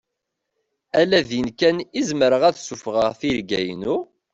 Ala din kan i zemreɣ ad ssufɣaɣ tirga-ynu?